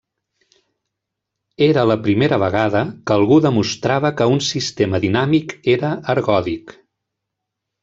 Era la primera vegada que algú demostrava que un sistema dinàmic era ergòdic.